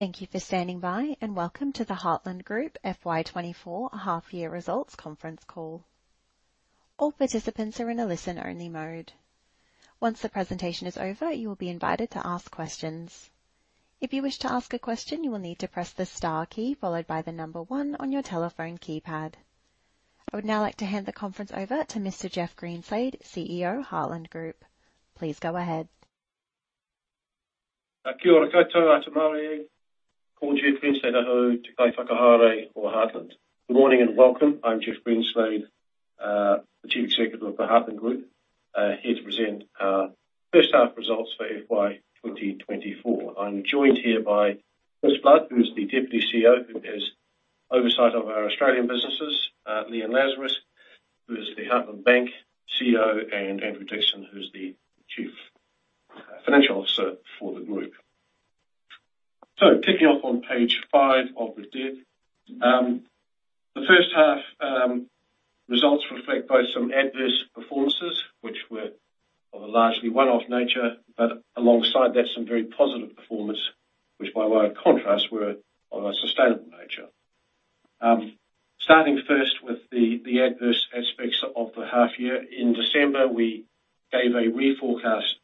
Thank you for standing by and welcome to the Heartland Group FY 2024 Half Year Results Conference Call. All participants are in a listen-only mode. Once the presentation is over, you will be invited to ask questions. If you wish to ask a question, you will need to press the star key followed by the number 1 on your telephone keypad. I would now like to hand the conference over to Mr. Jeffrey Greenslade, CEO Heartland Group. Please go ahead. Thank you, operator. For the call, Jeff Greenslade, kia ora, Heartland. Good morning and welcome. I'm Jeff Greenslade, Chief Executive of the Heartland Group, here to present our first half results for FY 2024. I'm joined here by Chris Flood, who's the Deputy CEO who has oversight of our Australian businesses, Leanne Lazarus, who is the Heartland Bank CEO, and Andrew Dixson, who's the Chief Financial Officer for the group. So picking off on page 5 of the deck, the first half results reflect both some adverse performances, which were largely one-off nature, but alongside that, some very positive performance, which by way of contrast were of a sustainable nature. Starting first with the adverse aspects of the half year, in December we gave a re-forecast to guidance. It's one of the first times we've had to do that. It was a result of a confluence of mostly unrelated one-off components. I'll just run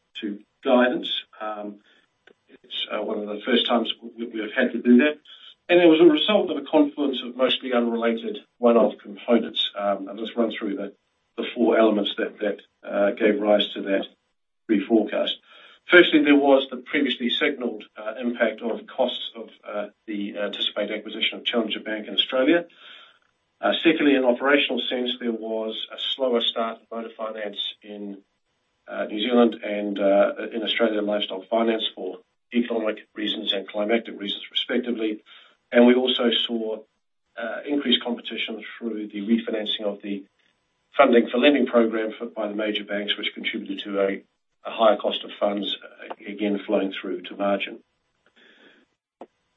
through the four elements that gave rise to that re-forecast. Firstly, there was the previously signaled impact of costs of the anticipated acquisition of Challenger Bank in Australia. Secondly, in operational sense, there was a slower start of motor finance in New Zealand and in Australia lifestyle finance for economic reasons and climatic reasons, respectively. And we also saw increased competition through the refinancing of the Funding for Lending Programme by the major banks, which contributed to a higher cost of funds, again, flowing through to margin.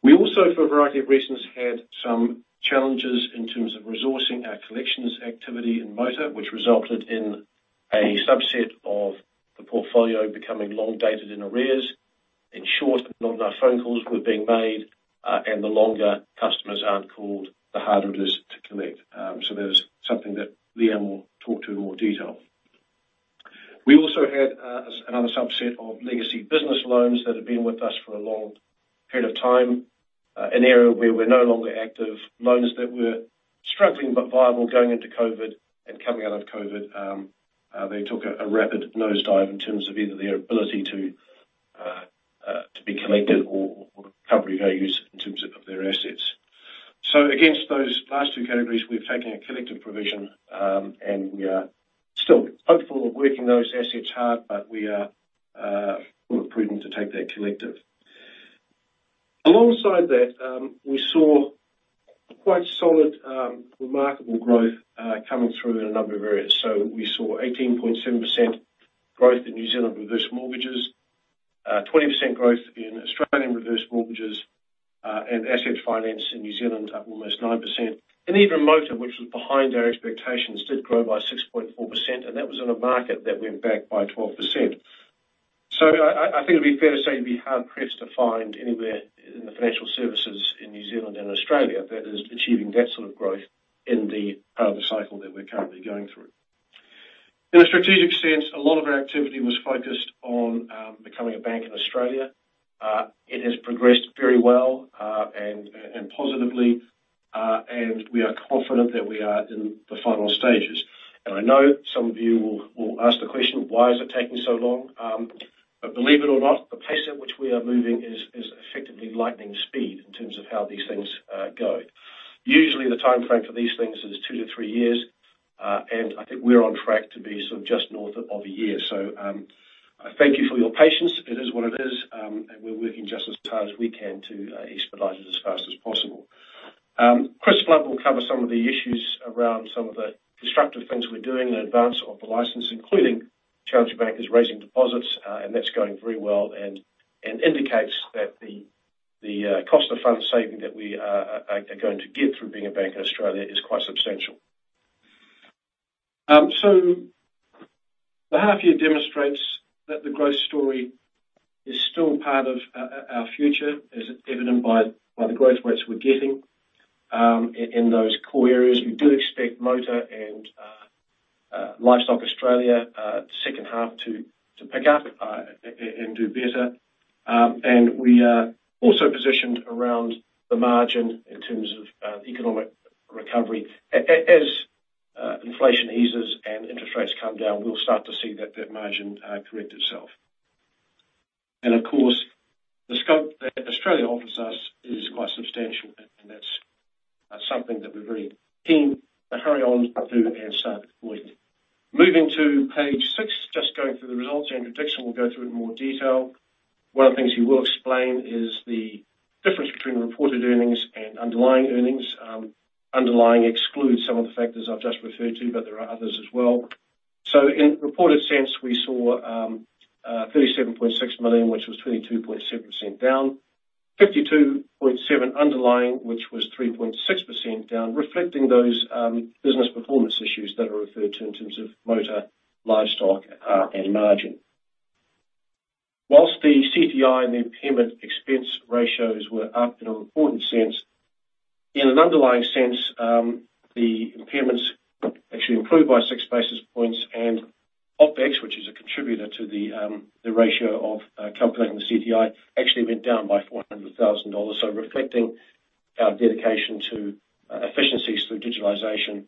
We also, for a variety of reasons, had some challenges in terms of resourcing our collections activity in motor, which resulted in a subset of the portfolio becoming long-dated in arrears. In short, not enough phone calls were being made, and the longer customers aren't called, the harder it is to collect. So there's something that Leanne will talk to in more detail. We also had another subset of legacy business loans that had been with us for a long period of time, an area where we're no longer active. Loans that were struggling but viable going into COVID and coming out of COVID, they took a rapid nosedive in terms of either their ability to be collected or recovery values in terms of their assets. So against those last two categories, we've taken a collective provision, and we are still hopeful of working those assets hard, but we are full of prudence to take that collective. Alongside that, we saw quite solid, remarkable growth coming through in a number of areas. So we saw 18.7% growth in New Zealand reverse mortgages, 20% growth in Australian reverse mortgages, and asset finance in New Zealand up almost 9%. And even motor, which was behind our expectations, did grow by 6.4%, and that was in a market that went back by 12%. So I think it'd be fair to say you'd be hard-pressed to find anywhere in the financial services in New Zealand and Australia that is achieving that sort of growth in the part of the cycle that we're currently going through. In a strategic sense, a lot of our activity was focused on becoming a bank in Australia. It has progressed very well and positively, and we are confident that we are in the final stages. I know some of you will ask the question, "Why is it taking so long?" But believe it or not, the pace at which we are moving is effectively lightning speed in terms of how these things go. Usually, the timeframe for these things is 2-3 years, and I think we're on track to be sort of just north of a year. So thank you for your patience. It is what it is, and we're working just as hard as we can to expedite it as fast as possible. Chris Flood will cover some of the issues around some of the constructive things we're doing in advance of the license, including Challenger Bank is raising deposits, and that's going very well and indicates that the cost of fund saving that we are going to get through being a bank in Australia is quite substantial. So the half year demonstrates that the growth story is still part of our future, as evident by the growth rates we're getting in those core areas. We do expect motor and Livestock Australia second half to pick up and do better. And we are also positioned around the margin in terms of economic recovery. As inflation eases and interest rates come down, we'll start to see that margin correct itself. And of course, the scope that Australia offers us is quite substantial, and that's something that we're very keen to hurry on to and start exploiting. Moving to page 6, just going through the results, Andrew Dixson will go through it in more detail. One of the things he will explain is the difference between reported earnings and underlying earnings. Underlying excludes some of the factors I've just referred to, but there are others as well. So in reported sense, we saw 37.6 million, which was 22.7% down, 52.7 million underlying, which was 3.6% down, reflecting those business performance issues that are referred to in terms of motor, livestock, and margin. While the CTI and the impairment expense ratios were up in an important sense, in an underlying sense, the impairments actually improved by 6 basis points, and OpEx, which is a contributor to the ratio of calculating the CTI, actually went down by 400,000 dollars. So reflecting our dedication to efficiencies through digitalization,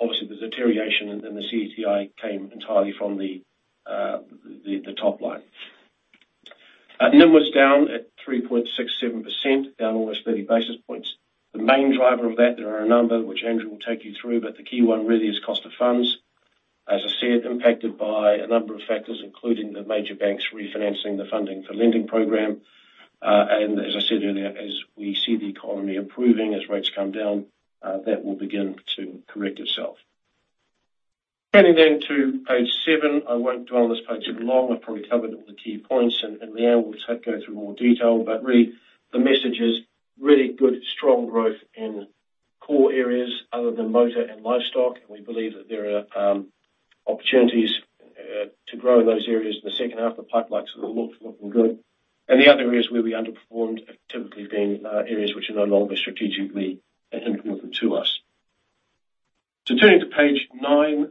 obviously, the deterioration in the CTI came entirely from the top line. NIM was down at 3.67%, down almost 30 basis points. The main driver of that, there are a number which Andrew will take you through, but the key one really is cost of funds. As I said, impacted by a number of factors, including the major banks refinancing the Funding for Lending Programme. As I said earlier, as we see the economy improving, as rates come down, that will begin to correct itself. Turning then to page 7, I won't dwell on this page long. I've probably covered all the key points, and Leanne will go through more detail. But really, the message is really good, strong growth in core areas other than motor and livestock, and we believe that there are opportunities to grow in those areas in the second half. The pipelines look good. And the other areas where we underperformed have typically been areas which are no longer strategically important to us. So turning to page 9,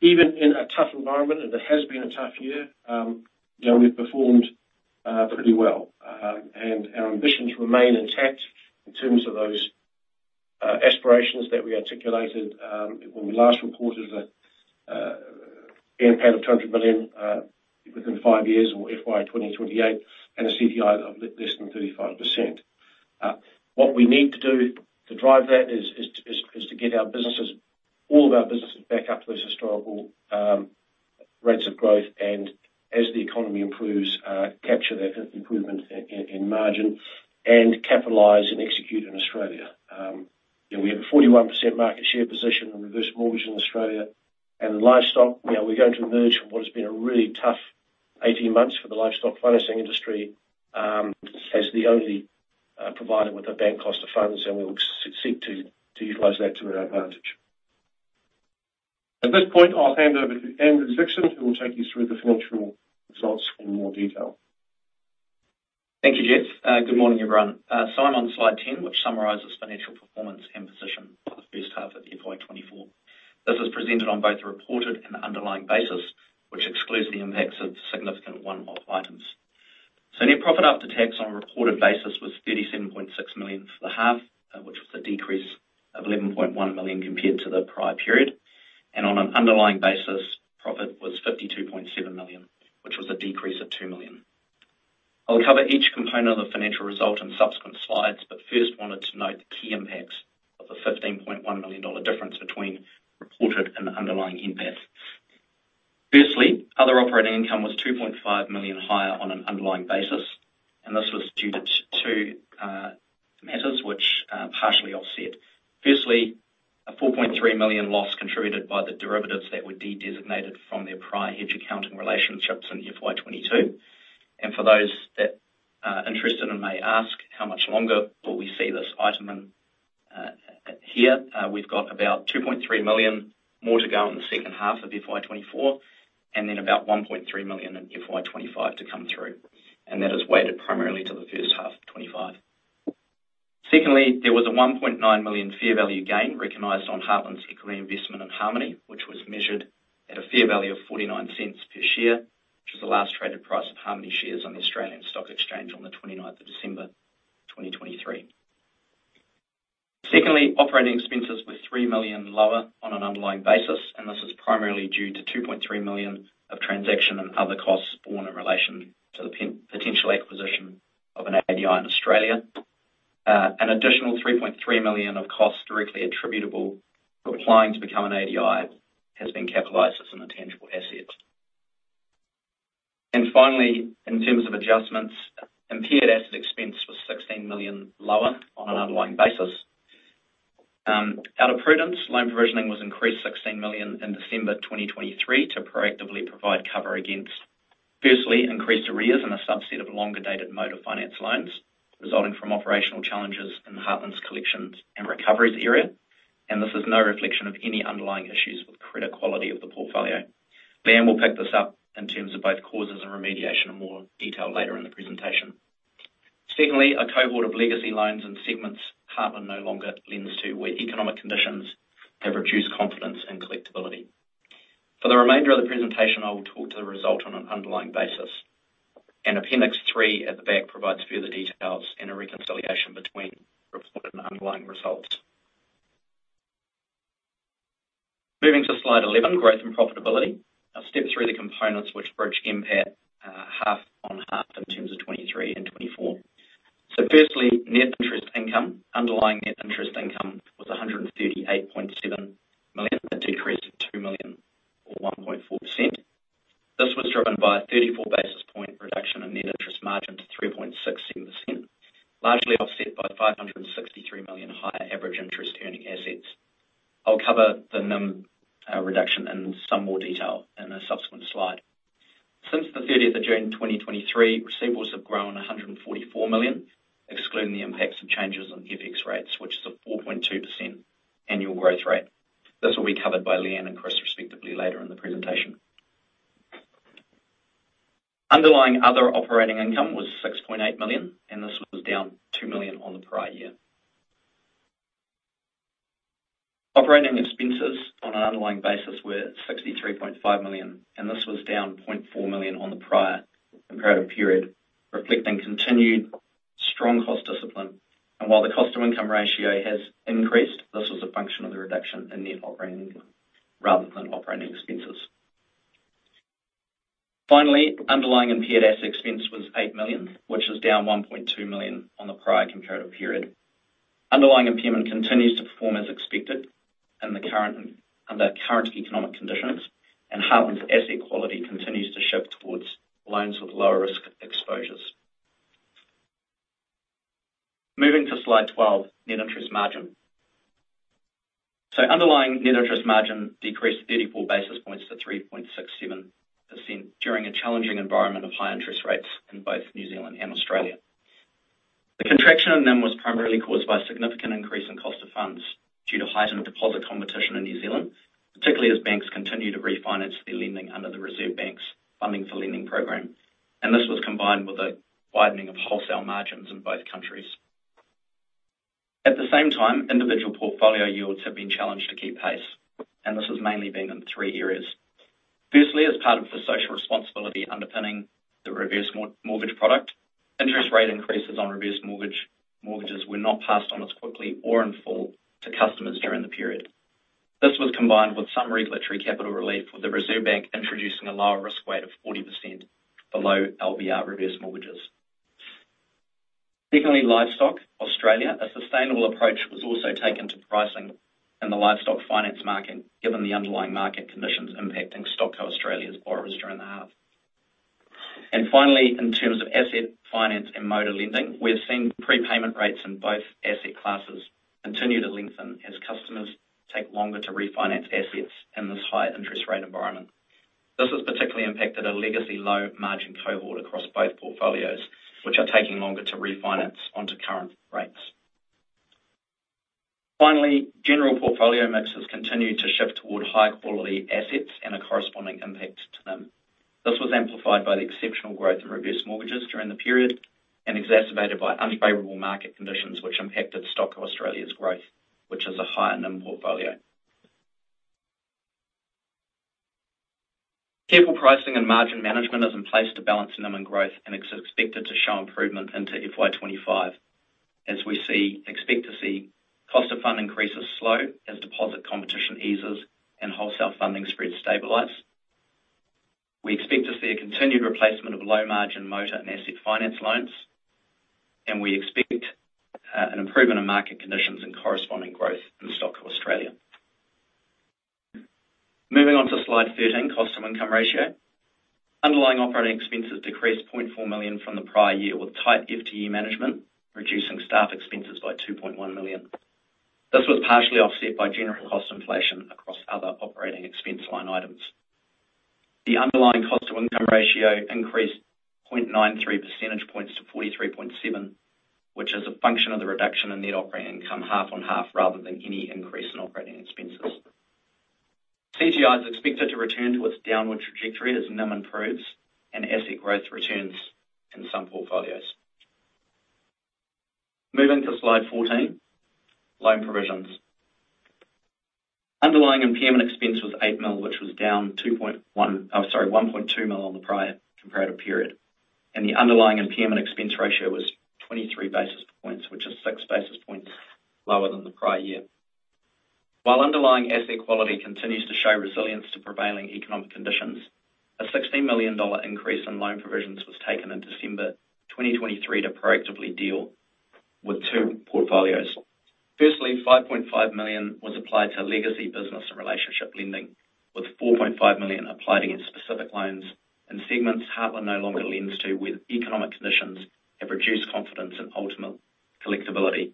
even in a tough environment, and it has been a tough year, we've performed pretty well. Our ambitions remain intact in terms of those aspirations that we articulated when we last reported the earnings plan of 200 million within five years or FY 2028 and a CTI of less than 35%. What we need to do to drive that is to get all of our businesses back up to those historical rates of growth and, as the economy improves, capture that improvement in margin and capitalize and execute in Australia. We have a 41% market share position in reverse mortgage in Australia. Livestock, we're going to emerge from what has been a really tough 18 months for the livestock financing industry as the only provider with a bank cost of funds, and we'll seek to utilize that to our advantage. At this point, I'll hand over to Andrew Dixson, who will take you through the financial results in more detail. Thank you, Jeff. Good morning, everyone. So I'm on slide 10, which summarizes financial performance and position for the first half of FY 2024. This is presented on both the reported and the underlying basis, which excludes the impacts of significant one-off items. So net profit after tax on a reported basis was 37.6 million for the half, which was a decrease of 11.1 million compared to the prior period. And on an underlying basis, profit was 52.7 million, which was a decrease of 2 million. I'll cover each component of the financial result in subsequent slides, but first wanted to note the key impacts of the 15.1 million dollar difference between reported and underlying impacts. Firstly, other operating income was 2.5 million higher on an underlying basis, and this was due to two matters which partially offset. Firstly, a 4.3 million loss contributed by the derivatives that were de-designated from their prior hedge accounting relationships in FY 2022. For those that are interested and may ask, how much longer will we see this item in here? We've got about 2.3 million more to go in the second half of FY 2024 and then about 1.3 million in FY 2025 to come through, and that is weighted primarily to the first half of 2025. Secondly, there was a 1.9 million fair value gain recognized on Heartland's equity investment in Harmoney, which was measured at a fair value of 0.49 per share, which was the last traded price of Harmoney shares on the Australian Stock Exchange on the 29th of December 2023. Secondly, operating expenses were 3 million lower on an underlying basis, and this is primarily due to 2.3 million of transaction and other costs borne in relation to the potential acquisition of an ADI in Australia. An additional 3.3 million of costs directly attributable to applying to become an ADI has been capitalised as an intangible asset. Finally, in terms of adjustments, impaired asset expense was 16 million lower on an underlying basis. Out of prudence, loan provisioning was increased 16 million in December 2023 to proactively provide cover against, firstly, increased arrears in a subset of longer-dated motor finance loans resulting from operational challenges in Heartland's collections and recoveries area, and this is no reflection of any underlying issues with credit quality of the portfolio. Leanne will pick this up in terms of both causes and remediation in more detail later in the presentation. Secondly, a cohort of legacy loans and segments Heartland no longer lends to where economic conditions have reduced confidence in collectibility. For the remainder of the presentation, I will talk to the result on an underlying basis. Appendix 3 at the back provides further details and a reconciliation between reported and underlying results. Moving to Slide 11, growth and profitability. I'll step through the components which bridge NPAT half on half in terms of 2023 and 2024. Firstly, net interest income. Underlying net interest income was 138.7 million. That decreased by 2 million or 1.4%. This was driven by a 34 basis point reduction in net interest margin to 3.67%, largely offset by 563 million higher average interest earning assets. I'll cover the NIM reduction in some more detail in a subsequent slide. Since the 30th of June 2023, receivables have grown 144 million, excluding the impacts of changes in FX rates, which is a 4.2% annual growth rate. This will be covered by Leanne and Chris, respectively, later in the presentation. Underlying other operating income was 6.8 million, and this was down NZD 2 million on the prior year. Operating expenses on an underlying basis were 63.5 million, and this was down 0.4 million on the prior comparative period, reflecting continued strong cost discipline. And while the cost to income ratio has increased, this was a function of the reduction in net operating income rather than operating expenses. Finally, underlying impaired asset expense was 8 million, which is down 1.2 million on the prior comparative period. Underlying impairment continues to perform as expected under current economic conditions, and Heartland's asset quality continues to shift towards loans with lower risk exposures. Moving to slide 12, net interest margin. So underlying net interest margin decreased 34 basis points to 3.67% during a challenging environment of high interest rates in both New Zealand and Australia. The contraction in NIM was primarily caused by significant increase in cost of funds due to heightened deposit competition in New Zealand, particularly as banks continue to refinance their lending under the Reserve Bank's Funding for Lending Programme. And this was combined with a widening of wholesale margins in both countries. At the same time, individual portfolio yields have been challenged to keep pace, and this has mainly been in three areas. Firstly, as part of the social responsibility underpinning the reverse mortgage product, interest rate increases on reverse mortgages were not passed on as quickly or in full to customers during the period. This was combined with some regulatory capital relief with the Reserve Bank introducing a lower risk weight of 40% below LVR reverse mortgages. Secondly, Livestock Australia. A sustainable approach was also taken to pricing in the livestock finance market given the underlying market conditions impacting StockCo Australia's borrowers during the half. And finally, in terms of asset finance and motor lending, we've seen prepayment rates in both asset classes continue to lengthen as customers take longer to refinance assets in this high interest rate environment. This has particularly impacted a legacy low margin cohort across both portfolios, which are taking longer to refinance onto current rates. Finally, general portfolio mixes continue to shift toward high-quality assets and a corresponding impact to NIM. This was amplified by the exceptional growth in reverse mortgages during the period and exacerbated by unfavorable market conditions, which impacted StockCo Australia's growth, which is a higher NIM portfolio. Careful pricing and margin management is in place to balance NIM and growth and is expected to show improvement into FY 2025. As we expect to see, cost-of-funds increases slow as deposit competition eases and wholesale funding spreads stabilize. We expect to see a continued replacement of low margin motor and asset finance loans, and we expect an improvement in market conditions and corresponding growth in StockCo Australia. Moving on to slide 13, cost-to-income ratio. Underlying operating expenses decreased 0.4 million from the prior year with tight FTE management, reducing staff expenses by 2.1 million. This was partially offset by general cost inflation across other operating expense line items. The underlying cost to income ratio increased 0.93 percentage points to 43.7%, which is a function of the reduction in net operating income half on half rather than any increase in operating expenses. CTI is expected to return to its downward trajectory as NIM improves and asset growth returns in some portfolios. Moving to slide 14, loan provisions. Underlying impairment expense was 8 million, which was down 2.1, sorry, 1.2 million on the prior comparative period. The underlying impairment expense ratio was 23 basis points, which is 6 basis points lower than the prior year. While underlying asset quality continues to show resilience to prevailing economic conditions, a 16 million dollar increase in loan provisions was taken in December 2023 to proactively deal with two portfolios. Firstly, 5.5 million was applied to legacy business and relationship lending, with 4.5 million applied against specific loans in segments Heartland no longer lends to where economic conditions have reduced confidence in ultimate collectibility,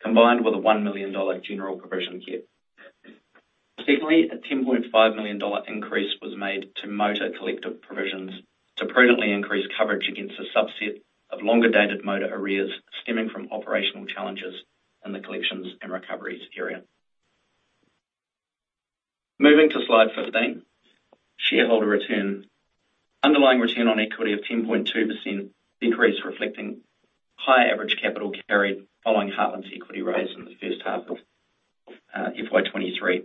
combined with a 1 million dollar general provision cap. Secondly, a 10.5 million dollar increase was made to motor collective provisions to prudently increase coverage against a subset of longer-dated motor arrears stemming from operational challenges in the collections and recoveries area. Moving to slide 15, shareholder return. Underlying return on equity of 10.2% decreased, reflecting high average capital carried following Heartland's equity rise in the first half of FY 2023,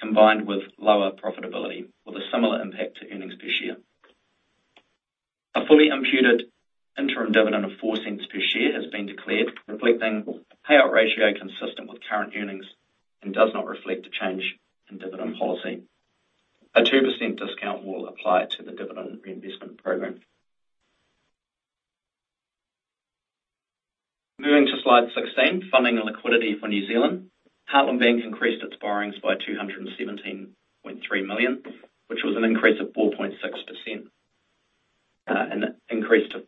combined with lower profitability with a similar impact to earnings per share. A fully imputed interim dividend of 0.04 per share has been declared, reflecting payout ratio consistent with current earnings and does not reflect a change in dividend policy. A 2% discount will apply to the dividend reinvestment program. Moving to slide 16, funding and liquidity for New Zealand. Heartland Bank increased its borrowings by 217.3 million, which was an increase of 4.6%, an increase to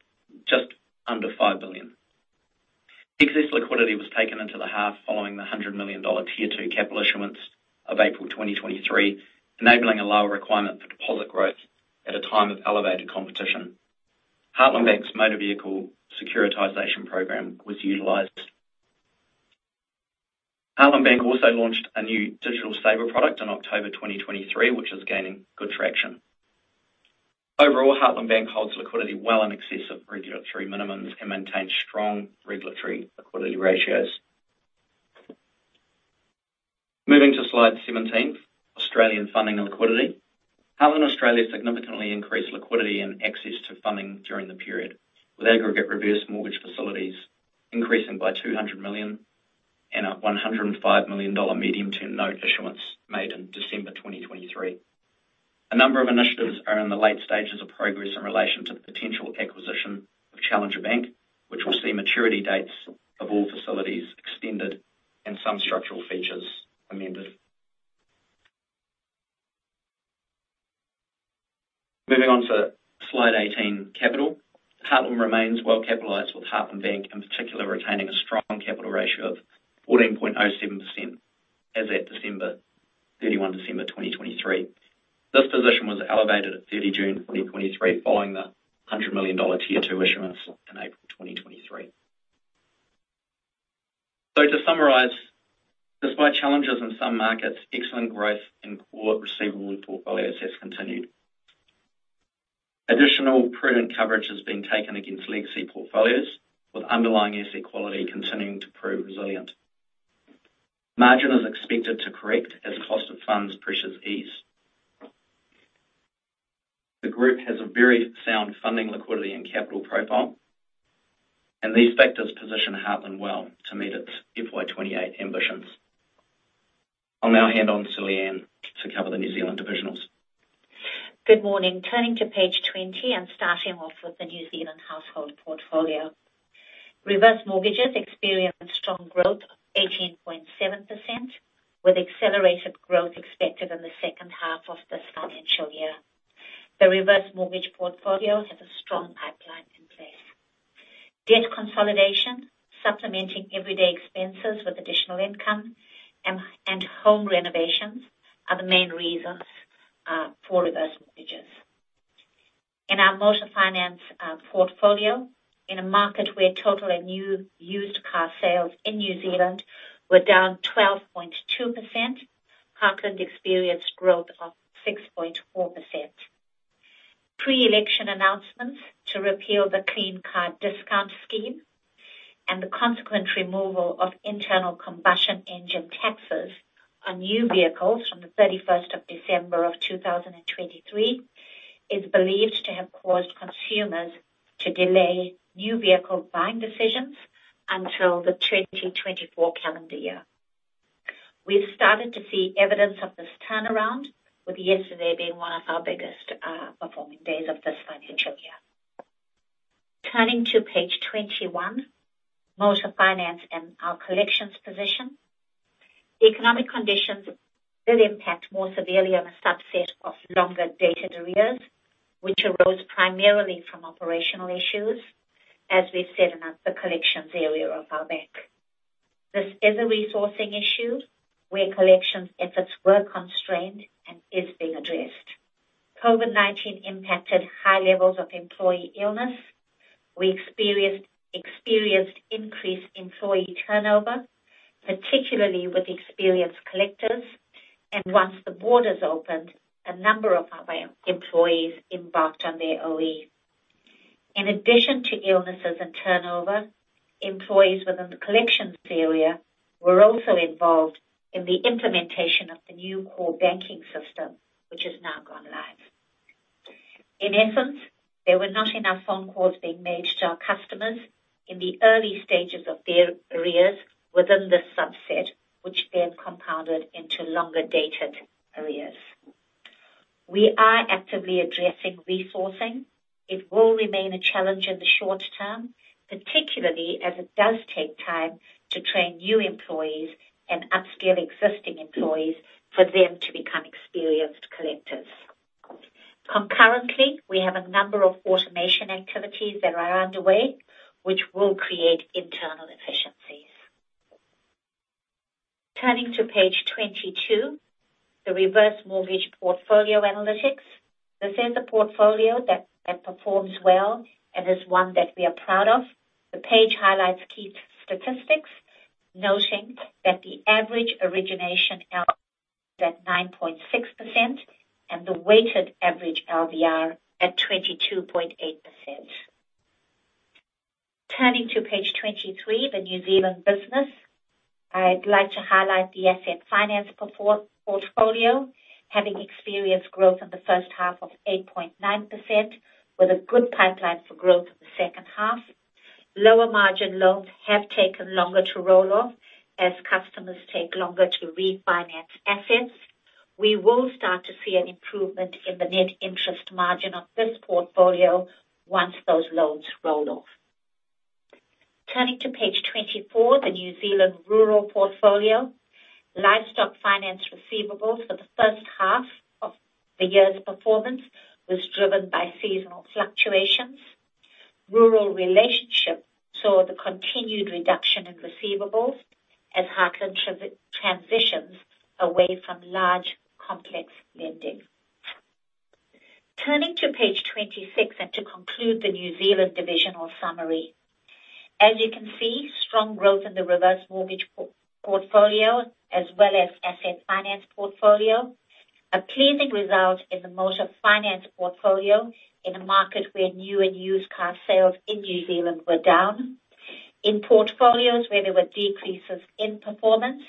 just under 5 billion. Excess liquidity was taken into the half following the 100 million dollar Tier 2 capital issuance of April 2023, enabling a lower requirement for deposit growth at a time of elevated competition. Heartland Bank's motor vehicle securitization program was utilized. Heartland Bank also launched a new Digital Saver product in October 2023, which is gaining good traction. Overall, Heartland Bank holds liquidity well in excess of regulatory minimums and maintains strong regulatory liquidity ratios. Moving to slide 17, Australian funding and liquidity. Heartland Australia significantly increased liquidity and access to funding during the period, with aggregate reverse mortgage facilities increasing by 200 million and a 105 million dollar medium-term note issuance made in December 2023. A number of initiatives are in the late stages of progress in relation to the potential acquisition of Challenger Bank, which will see maturity dates of all facilities extended and some structural features amended. Moving on to slide 18, capital. Heartland remains well capitalized with Heartland Bank, in particular, retaining a strong capital ratio of 14.07% as at 31 December 2023. This position was elevated at 30 June 2023 following the AUD 100 million Tier 2 issuance in April 2023. So to summarise, despite challenges in some markets, excellent growth in core receivable portfolios has continued. Additional prudent coverage has been taken against legacy portfolios, with underlying asset quality continuing to prove resilient. Margin is expected to correct as cost of funds pressures ease. The group has a very sound funding liquidity and capital profile, and these factors position Heartland well to meet its FY 2028 ambitions. I'll now hand over to Leanne to cover the New Zealand divisionals. Good morning. Turning to page 20 and starting off with the New Zealand household portfolio. Reverse mortgages experience strong growth of 18.7%, with accelerated growth expected in the second half of this financial year. The reverse mortgage portfolio has a strong pipeline in place. Debt consolidation, supplementing everyday expenses with additional income, and home renovations are the main reasons for reverse mortgages. In our motor finance portfolio, in a market where total and new used car sales in New Zealand were down 12.2%, Heartland experienced growth of 6.4%. Pre-election announcements to repeal the Clean Car Discount scheme and the consequent removal of internal combustion engine taxes on new vehicles from the 31st of December of 2023 is believed to have caused consumers to delay new vehicle buying decisions until the 2024 calendar year. We've started to see evidence of this turnaround, with yesterday being one of our biggest performing days of this financial year. Turning to page 21, motor finance and our collections position. Economic conditions did impact more severely on a subset of longer dated arrears, which arose primarily from operational issues, as we've said in the collections area of our bank. This is a resourcing issue where collections efforts were constrained and is being addressed. COVID-19 impacted high levels of employee illness. We experienced increased employee turnover, particularly with experienced collectors. And once the borders opened, a number of our employees embarked on their OE. In addition to illnesses and turnover, employees within the collections area were also involved in the implementation of the new core banking system, which has now gone live. In essence, there were not enough phone calls being made to our customers in the early stages of their arrears within this subset, which then compounded into longer dated arrears. We are actively addressing resourcing. It will remain a challenge in the short term, particularly as it does take time to train new employees and upscale existing employees for them to become experienced collectors. Concurrently, we have a number of automation activities that are underway, which will create internal efficiencies. Turning to page 22, the reverse mortgage portfolio analytics. This is a portfolio that performs well and is one that we are proud of. The page highlights key statistics, noting that the average origination LVR is at 9.6% and the weighted average LVR at 22.8%. Turning to page 23, the New Zealand business. I'd like to highlight the asset finance portfolio, having experienced growth in the first half of 8.9% with a good pipeline for growth in the second half. Lower margin loans have taken longer to roll off as customers take longer to refinance assets. We will start to see an improvement in the net interest margin on this portfolio once those loans roll off. Turning to page 24, the New Zealand rural portfolio. Livestock finance receivables for the first half of the year's performance was driven by seasonal fluctuations. Rural relationship saw the continued reduction in receivables as Heartland transitions away from large, complex lending. Turning to page 26 and to conclude the New Zealand divisional summary. As you can see, strong growth in the reverse mortgage portfolio as well as asset finance portfolio. A pleasing result in the motor finance portfolio in a market where new and used car sales in New Zealand were down. In portfolios where there were decreases in performance,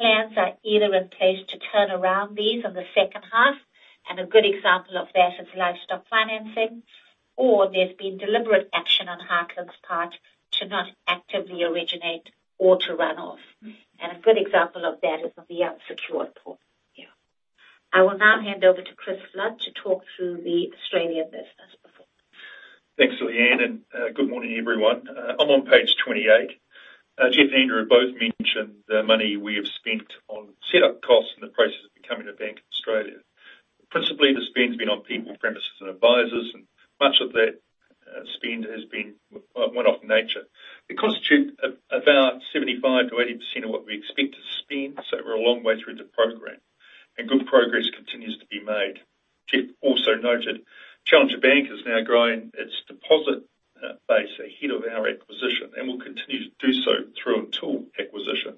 plans are either in place to turn around these in the second half, and a good example of that is livestock financing, or there's been deliberate action on Heartland's part to not actively originate or to run off. A good example of that is the unsecured portfolio. I will now hand over to Chris Flood to talk through the Australian business portfolio. Thanks, Leanne. Good morning, everyone. I'm on page 28. Jeff and Andrew have both mentioned the money we have spent on setup costs and the process of becoming a bank of Australia. Principally, the spend's been on people, premises, and advisors, and much of that spend has been one-off nature. It constitutes about 75%-80% of what we expect to spend, so we're a long way through the program, and good progress continues to be made. Jeff also noted Challenger Bank is now growing its deposit base ahead of our acquisition and will continue to do so through and till acquisition.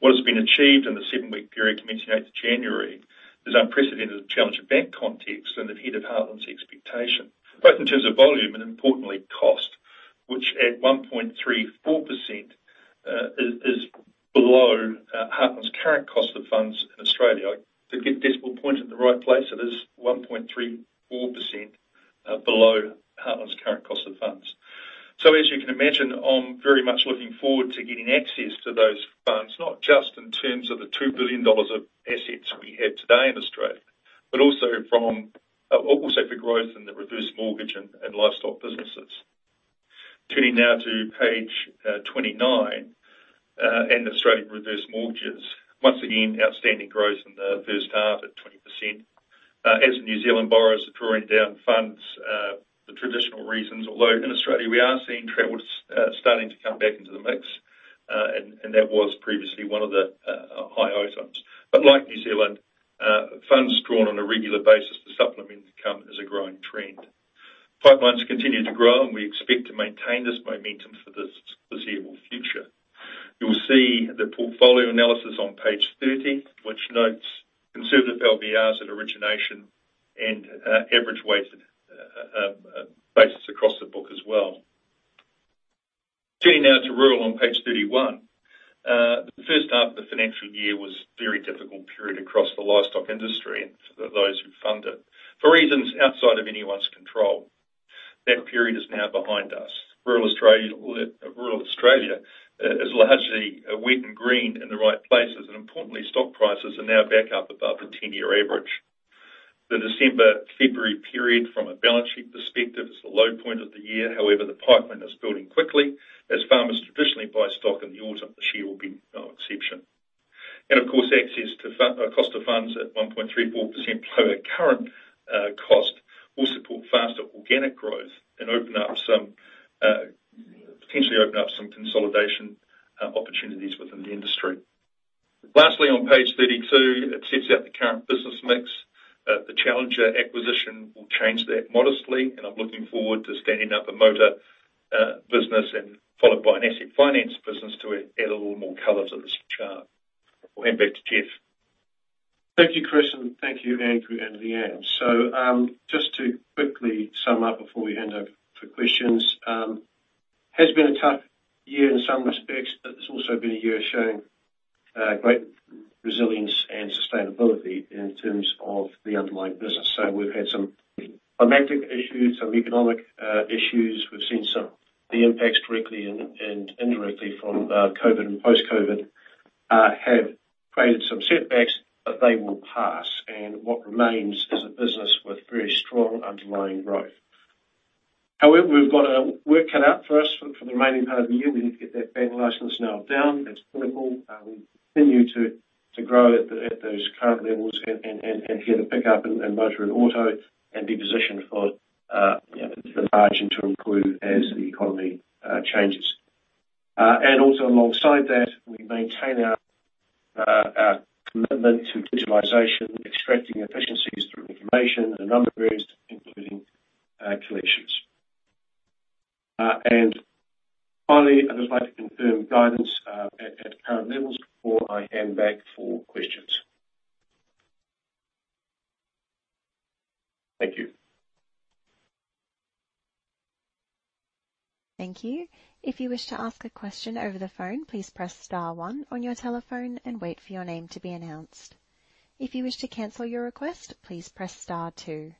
What has been achieved in the 7-week period commencing 8th January is unprecedented in the Challenger Bank context and ahead of Heartland's expectation, both in terms of volume and, importantly, cost, which at 1.34% is below Heartland's current cost of funds in Australia. To get decimal point at the right place, it is 1.34% below Heartland's current cost of funds. So as you can imagine, I'm very much looking forward to getting access to those funds, not just in terms of the 2 billion dollars of assets we have today in Australia, but also for growth in the reverse mortgage and livestock businesses. Turning now to page 29 and the Australian reverse mortgages. Once again, outstanding growth in the first half at 20%. As the New Zealand borrowers are drawing down funds, the traditional reasons, although in Australia, we are seeing travelers starting to come back into the mix, and that was previously one of the high items. But like New Zealand, funds drawn on a regular basis for supplement income is a growing trend. Pipelines continue to grow, and we expect to maintain this momentum for the foreseeable future. You will see the portfolio analysis on page 30, which notes conservative LVRs at origination and average weighted basis across the book as well. Turning now to rural on page 31. The first half of the financial year was a very difficult period across the livestock industry and for those who fund it, for reasons outside of anyone's control. That period is now behind us. Rural Australia is largely wet and green in the right places, and importantly, stock prices are now back up above the 10-year average. The December/February period, from a balance sheet perspective, is the low point of the year. However, the pipeline is building quickly. As farmers traditionally buy stock in the autumn, the share will be no exception. And of course, access to cost of funds at 1.34% below our current cost will support faster organic growth and potentially open up some consolidation opportunities within the industry. Lastly, on page 32, it sets out the current business mix. The Challenger acquisition will change that modestly, and I'm looking forward to standing up a motor business and followed by an asset finance business to add a little more color to this chart. I'll hand back to Jeff. Thank you, Chris, and thank you, Andrew, and Leanne. So just to quickly sum up before we hand over for questions. It has been a tough year in some respects, but it's also been a year showing great resilience and sustainability in terms of the underlying business. So we've had some climatic issues, some economic issues. We've seen some. The impacts directly and indirectly from COVID and post-COVID have created some setbacks, but they will pass, and what remains is a business with very strong underlying growth. However, we've got a work cut out for us for the remaining part of the year. We need to get that bank license nailed down. That's critical. We continue to grow at those current levels and get a pickup in motor and auto and be positioned for the margin to improve as the economy changes. And also alongside that, we maintain our commitment to digitalization, extracting efficiencies through information in a number of areas, including collections. And finally, I'd just like to confirm guidance at current levels before I hand back for questions. Thank you. Thank you. If you wish to ask a question over the phone, please press star 1 on your telephone and wait for your name to be announced. If you wish to cancel your request, please press star two.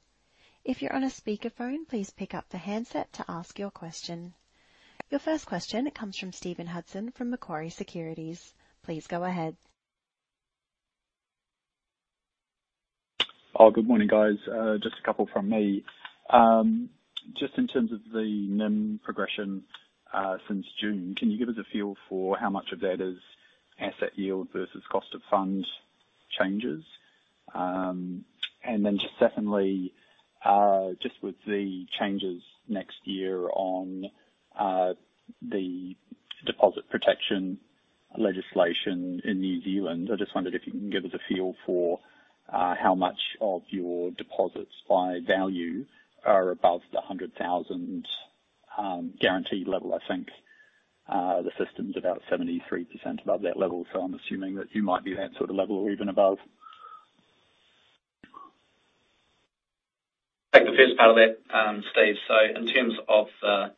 If you're on a speakerphone, please pick up the handset to ask your question. Your first question, it comes from Stephen Hudson from Macquarie Securities. Please go ahead. Oh, good morning, guys. Just a couple from me. Just in terms of the NIM progression since June, can you give us a feel for how much of that is asset yield versus cost of fund changes? And then secondly, just with the changes next year on the deposit protection legislation in New Zealand, I just wondered if you can give us a feel for how much of your deposits by value are above the 100,000 guaranteed level. I think the system's about 73% above that level, so I'm assuming that you might be that sort of level or even above. Thank you. The first part of that, Steve. So in terms of the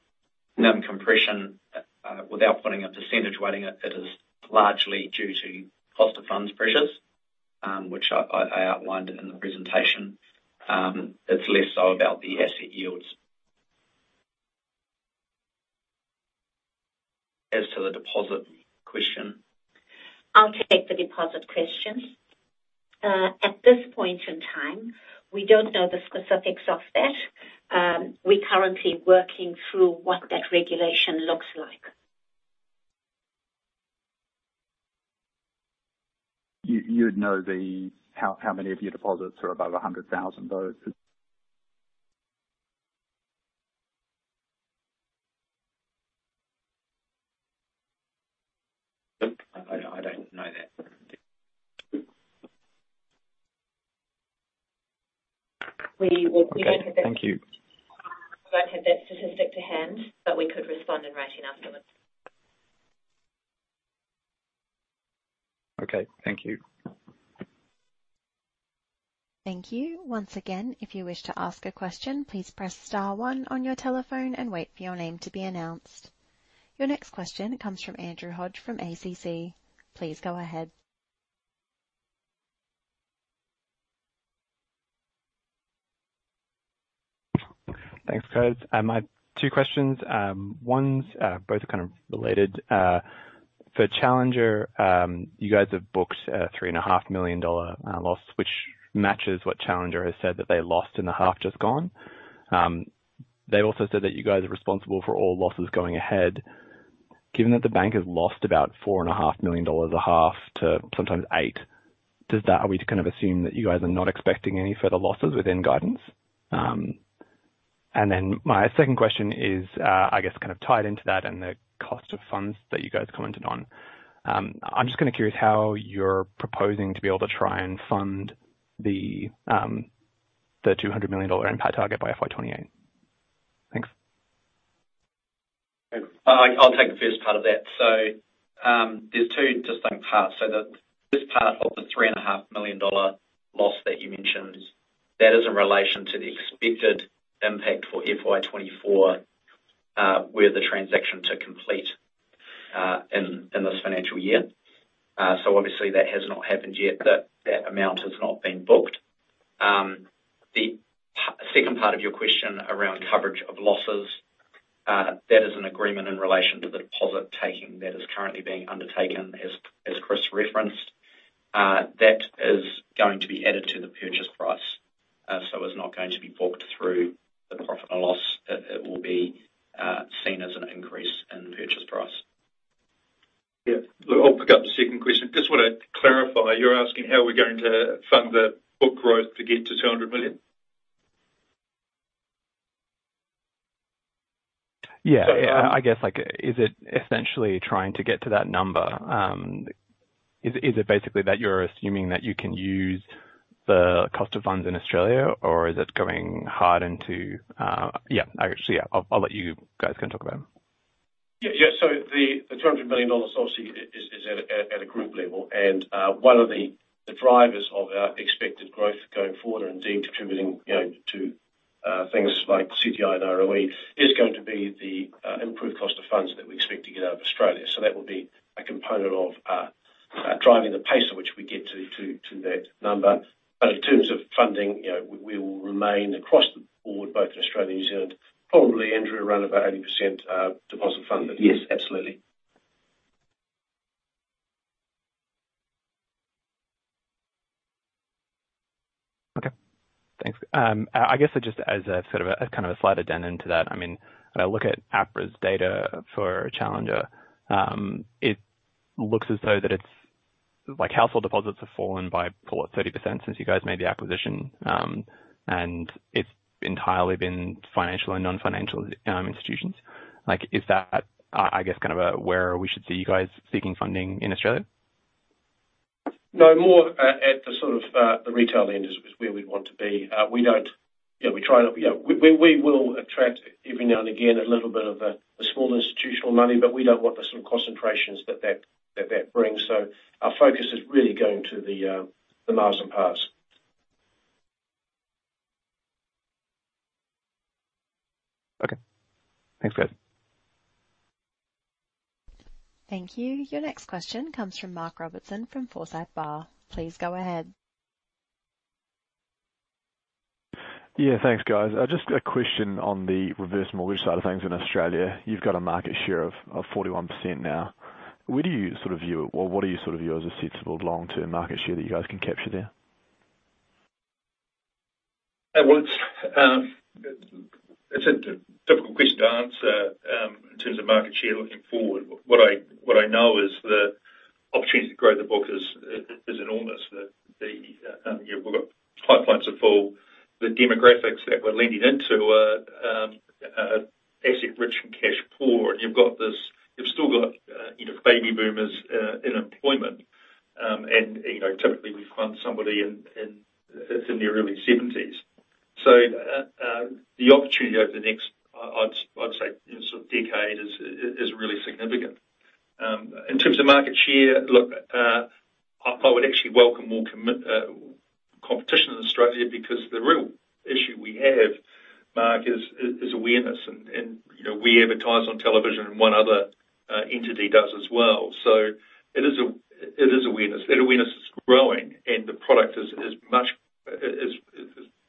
NIM compression, without putting a percentage weighting, it is largely due to cost of funds pressures, which I outlined in the presentation. It's less so about the asset yields. As to the deposit question. I'll take the deposit questions. At this point in time, we don't know the specifics of that. We're currently working through what that regulation looks like. You'd know how many of your deposits are above 100,000, though? I don't know that. We don't have that. Thank you. We don't have that statistic to hand, but we could respond in writing afterwards. Okay. Thank you. Thank you. Once again, if you wish to ask a question, please press star 1 on your telephone and wait for your name to be announced. Your next question, it comes from Andrew Hodge from ACC. Please go ahead. Thanks, Cole. Two questions. Both are kind of related. For Challenger, you guys have booked a 3.5 million dollar loss, which matches what Challenger has said that they lost in the half just gone. They also said that you guys are responsible for all losses going ahead. Given that the bank has lost about 4.5 million-8 million dollars a half to sometimes, are we to kind of assume that you guys are not expecting any further losses within guidance? And then my second question is, I guess, kind of tied into that and the cost of funds that you guys commented on. I'm just kind of curious how you're proposing to be able to try and fund the 200 million dollar impact target by FY 2028. Thanks. I'll take the first part of that. So there's two distinct parts. So the first part of the 3.5 million dollar loss that you mentioned, that is in relation to the expected impact for FY 2024 with the transaction to complete in this financial year. So obviously, that has not happened yet. That amount has not been booked. The second part of your question around coverage of losses, that is an agreement in relation to the deposit taking that is currently being undertaken, as Chris referenced. That is going to be added to the purchase price, so it's not going to be booked through the profit and loss. It will be seen as an increase in purchase price. Yeah. I'll pick up the second question. Just want to clarify. You're asking how we're going to fund the book growth to get to 200 million? Yeah. I guess, is it essentially trying to get to that number? Is it basically that you're assuming that you can use the cost of funds in Australia, or is it going hard into yeah? Actually, yeah. I'll let you guys kind of talk about it. Yeah. Yeah. So the 200 million dollars loss is at a group level, and one of the drivers of our expected growth going forward and indeed contributing to things like CTI and ROE is going to be the improved cost of funds that we expect to get out of Australia. So that will be a component of driving the pace at which we get to that number. But in terms of funding, we will remain across the board, both in Australia and New Zealand. Probably, Andrew, around about 80% deposit funded. Yes. Absolutely. Okay. Thanks. I guess just as sort of a kind of a slight addendum to that, I mean, when I look at APRA's data for Challenger, it looks as though that household deposits have fallen by about 30% since you guys made the acquisition, and it's entirely been financial and non-financial institutions. Is that, I guess, kind of where we should see you guys seeking funding in Australia? No. More at the sort of the retail end is where we'd want to be. We don't yeah. We try not yeah. We will attract every now and again a little bit of the small institutional money, but we don't want the sort of concentrations that that brings. So our focus is really going to the masses. Okay. Thanks, Chris. Thank you. Your next question comes from Mark Robertson from Forsyth Barr. Please go ahead. Yeah. Thanks, guys. Just a question on the reverse mortgage side of things in Australia. You've got a market share of 41% now. Where do you sort of view it, or what do you sort of view as a sensible long-term market share that you guys can capture there? Well, it's a difficult question to answer in terms of market share looking forward. What I know is the opportunity to grow the book is enormous. We've got pipelines that fill. The demographics that we're lending into are asset-rich and cash-poor. And you've still got baby boomers in employment. And typically, we fund somebody in their early 70s. So the opportunity over the next, I'd say, sort of decade is really significant. In terms of market share, look, I would actually welcome more competition in Australia because the real issue we have, Mark, is awareness. We advertise on television, and one other entity does as well. It is awareness. That awareness is growing, and the product is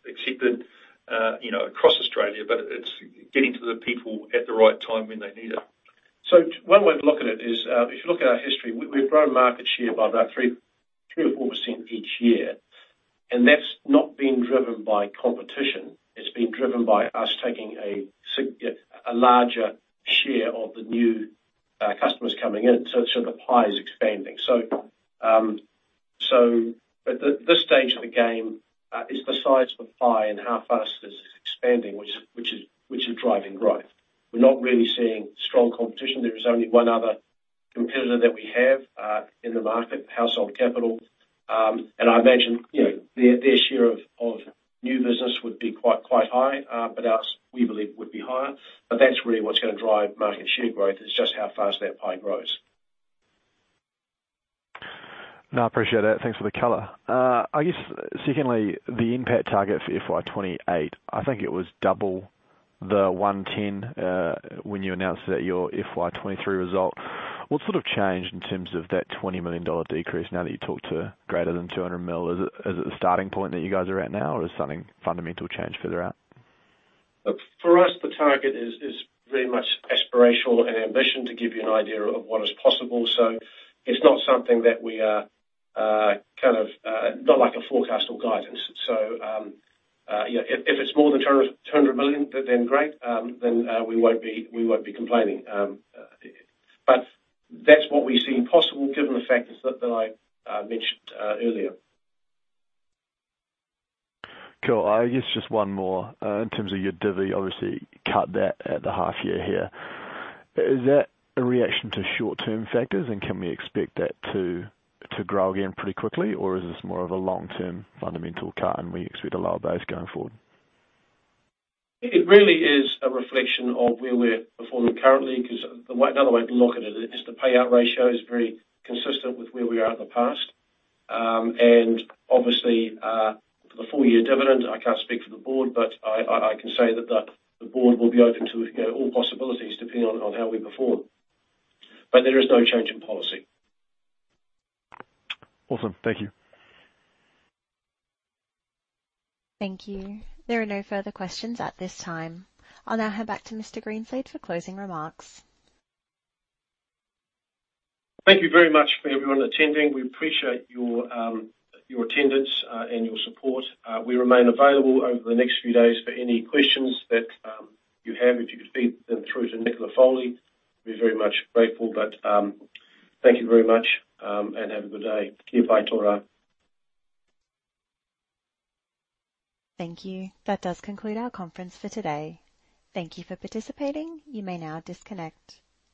accepted across Australia, but it's getting to the people at the right time when they need it. One way to look at it is if you look at our history, we've grown market share by about 3%-4% each year, and that's not been driven by competition. It's been driven by us taking a larger share of the new customers coming in. The pie is expanding. At this stage of the game, it's the size of the pie and how fast it is expanding, which is driving growth. We're not really seeing strong competition. There is only one other competitor that we have in the market, Household Capital. I imagine their share of new business would be quite high, but ours, we believe, would be higher. But that's really what's going to drive market share growth, is just how fast that pie grows. No, I appreciate that. Thanks for the color. I guess, secondly, the NPAT target for FY 2028, I think it was double the 110 when you announced that your FY 2023 result. What's sort of changed in terms of that 20 million dollar decrease now that you talked to greater than 200 million? Is it the starting point that you guys are at now, or is something fundamental changed further out? For us, the target is very much aspirational and ambitious to give you an idea of what is possible. So it's not something that we are kind of not like a forecast or guidance. So if it's more than 200 million, then great. Then we won't be complaining. But that's what we see possible given the factors that I mentioned earlier. Cool. I guess just one more. In terms of your divvy, obviously, you cut that at the half-year here. Is that a reaction to short-term factors, and can we expect that to grow again pretty quickly, or is this more of a long-term fundamental cut, and we expect a lower base going forward? It really is a reflection of where we're performing currently because another way to look at it is the payout ratio is very consistent with where we are at the past. And obviously, for the full-year dividend, I can't speak for the board, but I can say that the board will be open to all possibilities depending on how we perform. But there is no change in policy. Awesome. Thank you. Thank you. There are no further questions at this time. I'll now hand back to Mr. Greenslade for closing remarks. Thank you very much for everyone attending. We appreciate your attendance and your support. We remain available over the next few days for any questions that you have. If you could feed them through to Nicola Foley, we'd be very much grateful. But thank you very much, and have a good day. Kia pai tō rā. Thank you. That does conclude our conference for today. Thank you for participating. You may now disconnect.